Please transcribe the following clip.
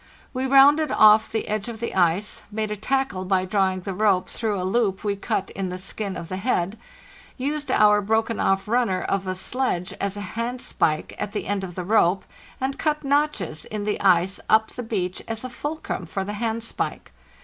We rounded off the edge of the ice, made a tackle by drawing the rope through a loop we cut in the skin of the head, used our broken off runner of a sledge as a handspike at the end of the rope, and cut notches in the ice up the beach as a fulcrum for the hand spike.